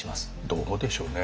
どうでしょうね